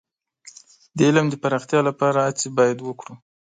د علم د پراختیا لپاره هڅې باید وکړو.